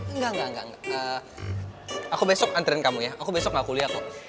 enggak enggak enggak aku besok antrian kamu ya aku besok gak kuliah kok